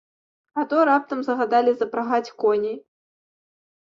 А то раптам загадалі запрагаць коней.